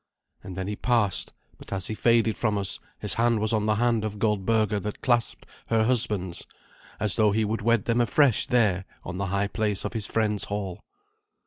And then he passed, but as he faded from us his hand was on the hand of Goldberga that clasped her husband's, as though he would wed them afresh there on the high place of his friend's hall.